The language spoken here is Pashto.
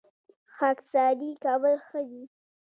خاکساري کول ښه دي